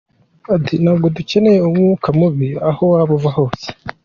Ati "Ntabwo dukeneye umwuka mubi aho waba uva hose.